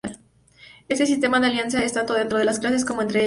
Este sistema de alianzas es tanto dentro de las clases como entre ellas.